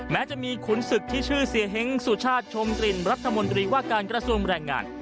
แม้จะมีขุนศึกที่ชื่อเสียเฮ้งสุชาติชมกลิ่นรัฐมนตรีว่าการกระทรวงแรงงาน